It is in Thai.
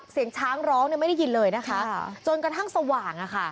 เสียงช้างร้องเนี้ยไม่ได้ยินเลยนะคะใช่ค่ะจนกระทั่งสว่างอะค่ะ